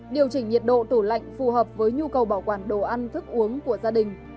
điều chỉnh nhiệt độ tủ lạnh phù hợp với nhu cầu bảo quản đồ ăn thức uống của gia đình